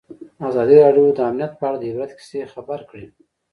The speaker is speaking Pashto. ازادي راډیو د امنیت په اړه د عبرت کیسې خبر کړي.